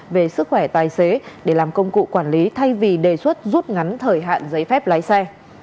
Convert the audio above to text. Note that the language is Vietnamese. về sức khỏe tài xế để làm công cụ quản lý thay vì đề xuất rút ngắn thời hạn giấy phép lái xe